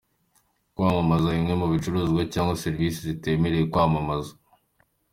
Kwamamaza bimwe mu bicuruzwa cyangwa serivisi zitemerewe kwamamazwa: .